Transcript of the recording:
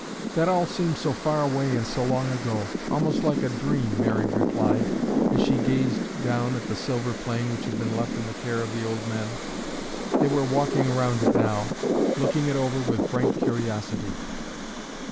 "That all seems so far away and so long ago, almost like a dream," Mary replied, as she gazed down at the silver plane which had been left in the care of the old men. They were walking around it now, looking it over with frank curiosity.